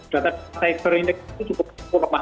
data data isi ini cukup lepas